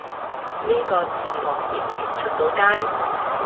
呢個字幕譯完出到街？